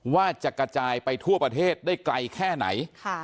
ว่าจะกระจายไปทั่วประเทศได้ไกลแค่ไหน